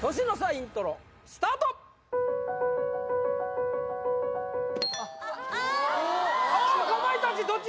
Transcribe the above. イントロスタートかまいたちどっち？